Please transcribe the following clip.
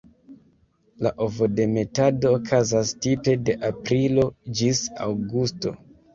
La ovodemetado okazas tipe de aprilo ĝis aŭgusto.